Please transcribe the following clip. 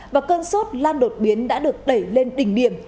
và cơn sốt lan đột biến đã được đẩy lên đỉnh điểm